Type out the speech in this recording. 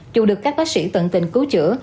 dù được các bác sĩ tận tình cứu chữa